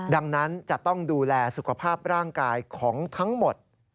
ดังนั้นจะต้องดูแลสุขภาพร่างกายของทั้งหมด